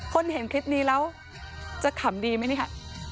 คนเห็นคลิปนี้แล้วจะขำดีมั้ยนี่ค่ะ